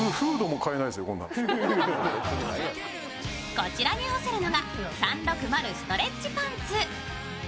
こちらに合わせるのが３６０ストレッチパンツ。